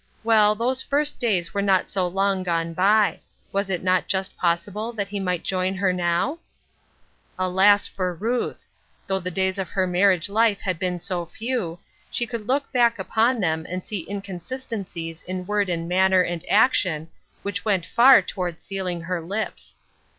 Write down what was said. Well, those first days were not so long gone by. Was it not just pos sible that he might join her now ? Alas for Ruth I Though the days of her mar ried life had been so few, she could look back upon them and see inconsistencies in word and manner and action which went far toward seal ing her lips.